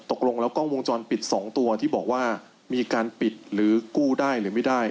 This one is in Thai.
ตกลงแล้วกล้องวงจรปิด๒ตัวที่บอกว่ามีการปิดหรือกู้ได้หรือไม่ได้